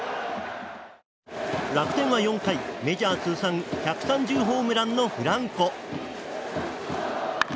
楽天は４回メジャー通算１３０ホームランのフランコ。